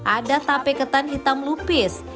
ada tape ketan hitam lupis